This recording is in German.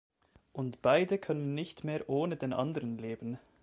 Und beide können nicht mehr ohne den anderen leben.